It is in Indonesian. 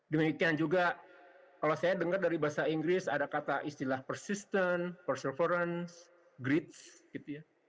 demikian juga kalau saya dengar dari bahasa inggris ada kata istilah persistant persyaference gridge gitu ya